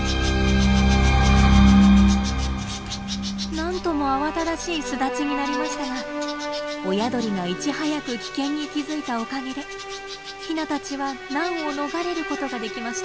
何とも慌ただしい巣立ちになりましたが親鳥がいち早く危険に気付いたおかげでヒナたちは難を逃れることができました。